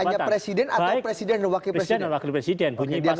hanya presiden atau presiden dan wakil presiden